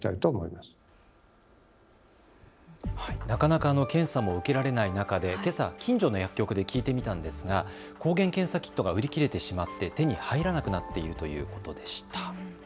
なかなか検査も受けられない中でけさ、近所の薬局で聞いてみたんですが抗原検査キットが売り切れてしまって手に入らなくなっているということでした。